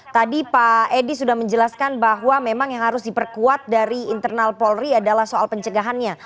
tadi pak edi sudah menjelaskan bahwa memang yang harus diperkuat dari internal polri adalah soal pencegahannya